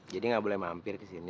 jadi nggak boleh mampir kesini